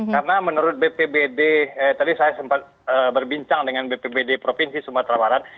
karena menurut bpbd tadi saya sempat berbincang dengan bpbd provinsi sumatera waran